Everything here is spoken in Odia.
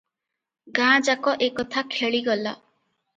ଗାଁ ଯାକ ଏ କଥା ଖେଳିଗଲା ।